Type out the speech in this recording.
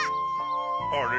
あれ？